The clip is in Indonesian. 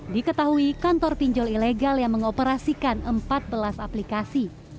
diketahui kantor pinjol ilegal yang mengoperasikan empat belas aplikasi